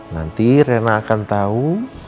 nanti rena akan tau